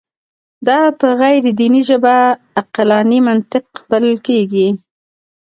دا په غیر دیني ژبه عقلاني منطق بلل کېږي.